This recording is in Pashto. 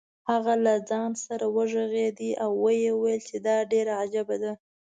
هغه له ځان سره وغږېد او ویې ویل چې دا ډېره عجیبه ده.